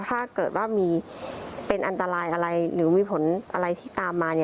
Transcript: ถ้าเกิดว่ามีเป็นอันตรายอะไรหรือมีผลอะไรที่ตามมา